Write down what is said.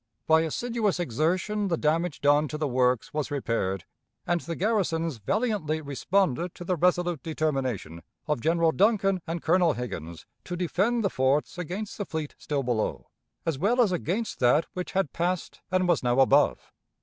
By assiduous exertion the damage done to the works was repaired, and the garrisons valiantly responded to the resolute determination of General Duncan and Colonel Higgins to defend the forts against the fleet still below, as well as against that which had passed and was now above.